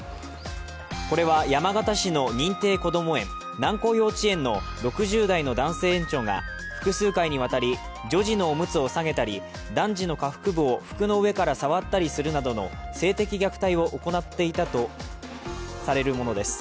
これは山形市の認定こども園南光幼稚園の６０代の男性園長が複数回にわたり女児のおむつを下げたり男児の下腹部を服の上から触ったりするなどの性的虐待を行っていたとされるものです。